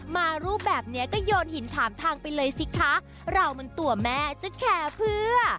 มารูปแบบเนี้ยก็โยนหินถามทางไปเลยสิคะเรามันตัวแม่จะแคร์เพื่อ